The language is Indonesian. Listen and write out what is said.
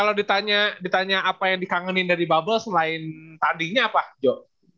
kalau ditanya apa yang dikangenin dari bubble selain tadinya pak jo